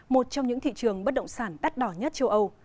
một trong những thị trường bất động sản đắt đỏ nhất châu âu